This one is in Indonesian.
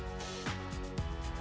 levelnya bisa disesuaikan lho